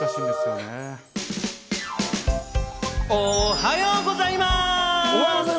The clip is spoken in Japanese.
おはよございます！